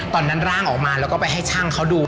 ร่างออกมาแล้วก็ไปให้ช่างเขาดู